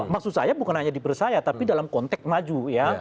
maksud saya bukan hanya dipercaya tapi dalam konteks maju ya